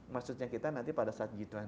maksudnya kita nanti pada saat g dua puluh